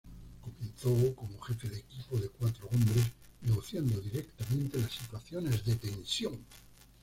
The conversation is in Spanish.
Comenzó como jefe de equipo de cuatro hombres negociando directamente las situaciones de tensión.